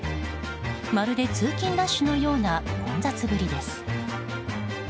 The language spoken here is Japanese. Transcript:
まるで通勤ラッシュのような混雑ぶりです。